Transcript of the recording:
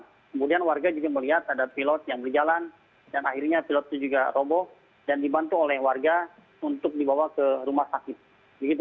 kemudian warga juga melihat ada pilot yang berjalan dan akhirnya pilot itu juga roboh dan dibantu oleh warga untuk dibawa ke rumah sakit